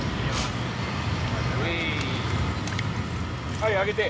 はい上げて。